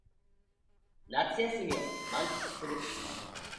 夏休みを満喫する